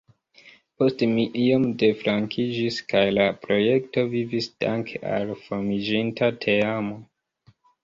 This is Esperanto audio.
Poste mi iom deflankiĝis, kaj la projekto vivis danke al formiĝinta teamo.